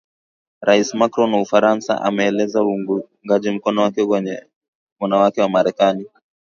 Rais Macron wa Ufaransa ameeleza uungaji mkono wake na wanawake wa Marekani